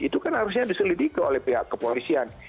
itu kan harusnya diselidiki oleh pihak kepolisian